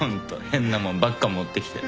変なもんばっか持ってきて。